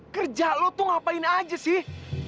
kerja lo tuh ngapain aja sih